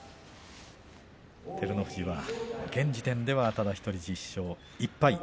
照ノ富士は現時点ではただ１人、１０勝１敗。